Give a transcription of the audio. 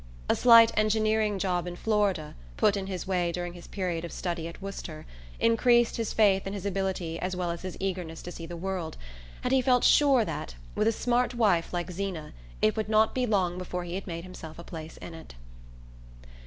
A slight engineering job in Florida, put in his way during his period of study at Worcester, increased his faith in his ability as well as his eagerness to see the world; and he felt sure that, with a "smart" wife like Zeena, it would not be long before he had made himself a place in it.